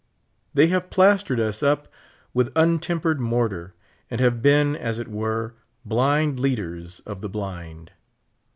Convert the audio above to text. They have plastered us up with un tempered mortar, and have been, as it were, blind leaders of the blind.